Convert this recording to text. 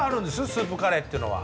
スープカレーっていうのは。